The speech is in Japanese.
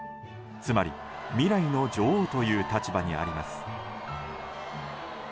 つまり、未来の女王という立場にあります。